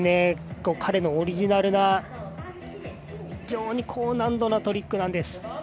彼のオリジナルな非常に高難度なトリックなんです。